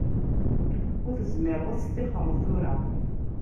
Ur tezmireḍ ad teṭṭixreḍ tura.